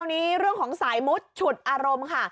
วันนี้เรื่องของสายมุดฉุดอารมณ์ค่ะ